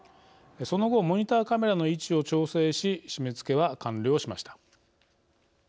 その後モニターカメラの位置を調整し締め付けは完了しました。